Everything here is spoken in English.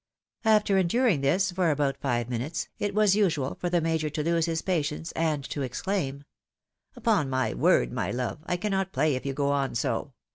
After enduring this for about five minutes, it was usual for the Major to lose his patience, and to exclaim, —" Upon my word, my love, I cannot play if you go on so.